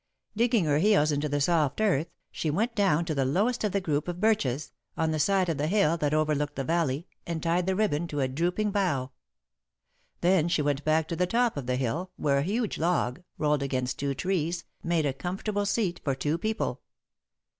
Digging her heels into the soft earth, she went down to the lowest of the group of birches, on the side of the hill that overlooked the valley, and tied the ribbon to a drooping bough. Then she went back to the top of the hill, where a huge log, rolled against two trees, made a comfortable seat for two people.